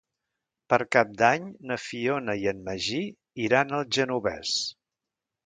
Per Cap d'Any na Fiona i en Magí iran al Genovés.